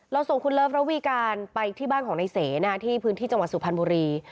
เราส่งคุณเลิฟหลัววิการไปที่บ้านของในเส๋คือจังหวัดสุพันธ์บุรี